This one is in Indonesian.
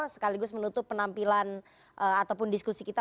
sekaligus menutup penampilan ataupun diskusi kita